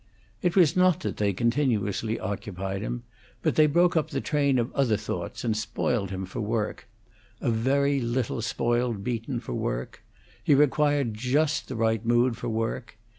It was not that they continuously occupied him, but they broke up the train of other thoughts, and spoiled him for work; a very little spoiled Beaton for work; he required just the right mood for work.